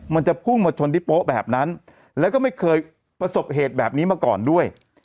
มันจะพุ่งมาชนที่โป๊ะแบบนั้นแล้วก็ไม่เคยประสบเหตุแบบนี้มาก่อนด้วย